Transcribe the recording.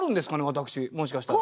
私もしかしたら。